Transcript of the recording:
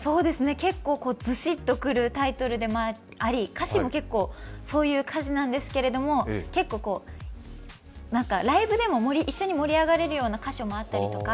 結構ずしっとくるタイトルであり、歌詞もそういう歌詞なんですけど、結構、ライブでも一緒に盛り上がれるような箇所もあったりとか。